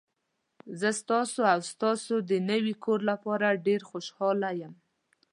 زه ستاسو او ستاسو د نوي کور لپاره ډیر خوشحاله یم.